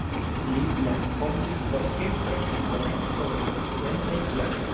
Li jam fondis orkestron en komenco de la studentaj jaroj.